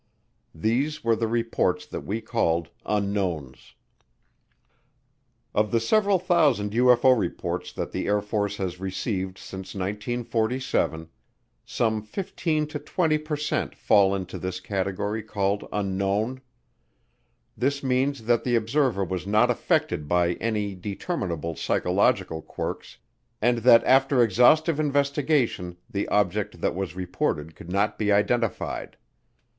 These were the reports that we called "Unknowns." Of the several thousand UFO reports that the Air Force has received since 1947, some 15 to 20 per cent fall into this category called unknown. This means that the observer was not affected by any determinable psychological quirks and that after exhaustive investigation the object that was reported could not be identified.